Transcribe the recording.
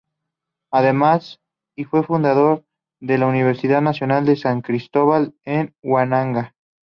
Además, y fue fundador de la Universidad Nacional de San Cristóbal de Huamanga.